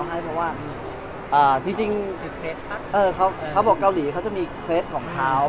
ใช่แต่ว่าพอตอนนี้เขาเอาให้ผมก็ให้เงินเขา